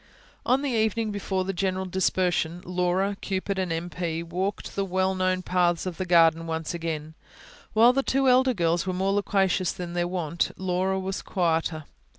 On the evening before the general dispersion, Laura, Cupid, and M. P. walked the well known paths of the garden once again. While the two elder girls were more loquacious than their wont, Laura was quieter.